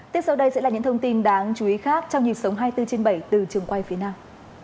tiếp sau đây sẽ là những thông tin đáng chú ý khác trong nhịp sống hai mươi bốn trên bảy từ trường quay phía nam